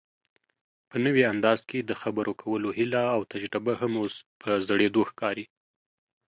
په نوي انداز کې دخبرو کولو هيله اوتجربه هم اوس په زړېدو ښکاري